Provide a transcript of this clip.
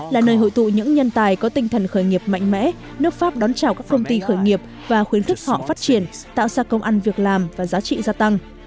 là nơi hội tụ những nhân tài có tinh thần khởi nghiệp mạnh mẽ nước pháp đón chào các công ty khởi nghiệp và khuyến khích họ phát triển tạo ra công ăn việc làm và giá trị gia tăng